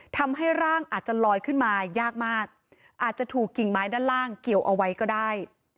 ทำให้ร่างอาจจะลอยขึ้นมายากมากอาจจะถูกกิ่งไม้ด้านล่างเกี่ยวเอาไว้ก็ได้